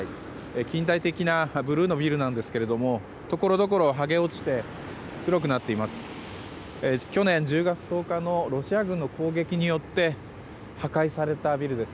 近代的なブルーのビルなんですがところどころ、はげ落ちて黒くなっています。